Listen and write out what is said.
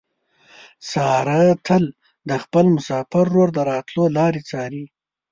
ساره تل د خپل مسافر ورور د راتلو لارې څاري.